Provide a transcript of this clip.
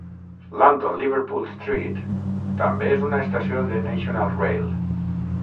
London Liverpool Street també és una estació de National Rail.